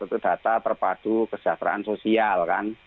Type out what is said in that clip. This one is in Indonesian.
itu data terpadu kesejahteraan sosial kan